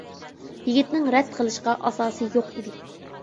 يىگىتنىڭ رەت قىلىشقا ئاساسى يوق ئىدى.